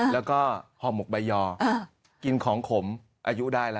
แล้วก็ห่อหมกใบยอกินของขมอายุได้แล้ว